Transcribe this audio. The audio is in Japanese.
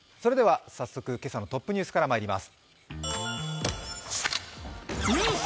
早速、今朝のトップニュースからまいります。